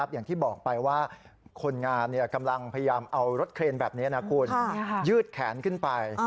อย่างที่บอกไปคนงานกำลังเอารถเครนแบบนี้ยืดแขนขึ้นไป